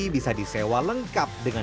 bisa disewa lengkap dengan